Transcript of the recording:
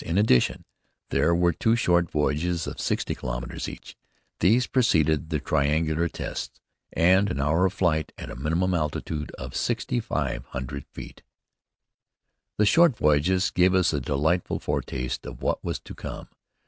In addition, there were two short voyages of sixty kilometres each these preceded the triangular tests and an hour of flight at a minimum altitude of sixty five hundred feet. The short voyages gave us a delightful foretaste of what was to come.